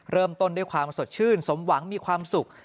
เริ่มต้นด้วยความสดชื่นสมหวังมีความสุข